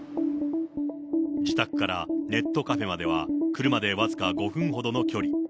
自宅からネットカフェまでは車で僅か５分ほどの距離。